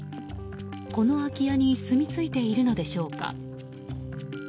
この空き家にすみ着いているのでしょうか。